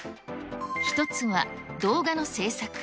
１つは動画の制作。